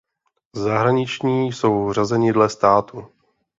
Zahraniční jsou řazeni dle států.